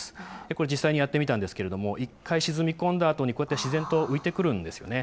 これ、実際にやってみたんですけれども、一回沈み込んだあとに、こうやって自然と浮いてくるんですよね。